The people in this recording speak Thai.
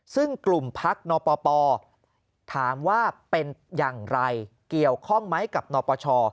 ซึ่งกลุ่มพักนปปถามว่าเป็นอย่างไรเกี่ยวข้องไหมกับนปช